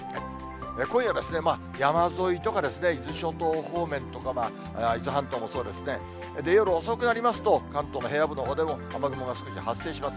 今夜、山沿いとか伊豆諸島方面とか、伊豆半島もそうですね、夜遅くなりますと、関東の平野部のほうでも雨雲が少し発生します。